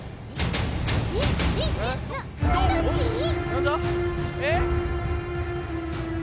なんだ？え？